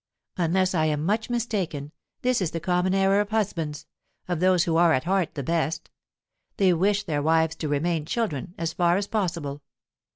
Unless I am much mistaken, this is the common error of husbands of those who are at heart the best. They wish their wives to remain children, as far as possible.